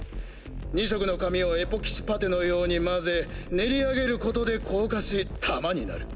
２色の髪をエポキシパテのように混ぜ練り上げることで硬化し弾になる。